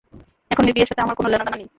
এখন এই বিয়ের সাথে আমার কোন লেনা দেনা নেই।